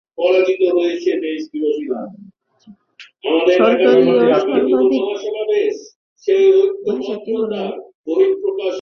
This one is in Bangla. সরকারি এবং সর্বাধিক প্রচলিত ভাষাটি হলো তেলুগু।